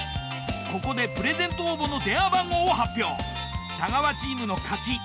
ここでプレゼント応募の電話番号を発表。